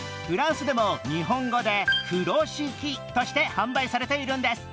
フランスでも日本語でＦＵＲＯＳＨＩＫＩとして販売されているんです。